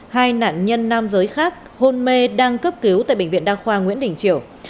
hai nạn nhân nam giới khác hôn mê đang cấp cứu tại bệnh viện đa khoa nguyễn đình triều